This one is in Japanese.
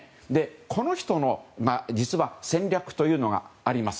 この人の戦略というのがあります。